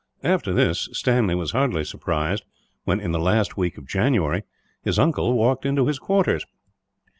After this, Stanley was hardly surprised when, in the last week of January, his uncle walked into his quarters.